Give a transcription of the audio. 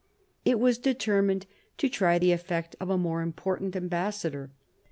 It was determined to try the effect of a more important ambassador.